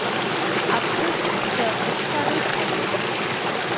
Аԥсыӡкцәа ушԥарыҷкәыну?